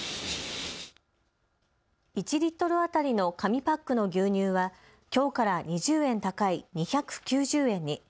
１リットル当たりの紙パックの牛乳はきょうから２０円高い２９０円に。